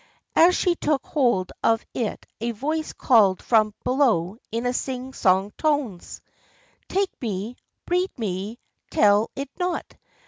As she took hold of it a voice called from below in sing song tones :" Take me, read me, tell it not.